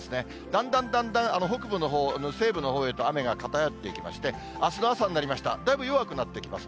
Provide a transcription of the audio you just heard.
だんだんだんだん北部のほう、西部のほうへと雨が偏っていきまして、あすの朝になりました、だいぶ弱くなってきます。